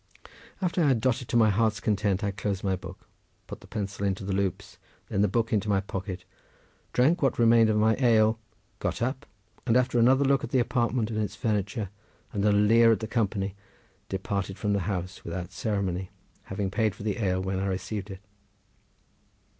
After I had dotted to my heart's content I closed my book, put the pencil into the loops, then the book into my pocket, drank what remained of my ale, got up, and, after another look at the apartment and its furniture and a leer at the company, departed from the house without ceremony, having paid for the ale when I received it.